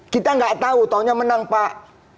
kita gak tahu taunya menang pak